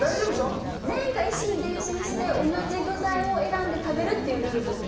全員が以心伝心して同じ具材を選んで食べるっていうルールですね？